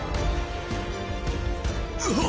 うわっ！